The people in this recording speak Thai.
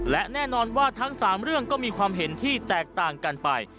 และแน่นอนว่าทั้ง๓เรื่องก็มีความเห็นที่แตกต่างกันไป